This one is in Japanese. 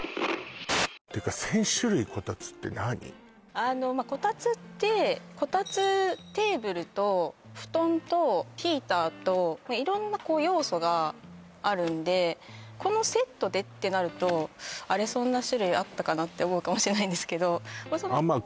あのまあこたつってこたつテーブルと布団とヒーターと色んな要素があるんでこのセットでってなるとあれそんな種類あったかな？って思うかもしれないんですけど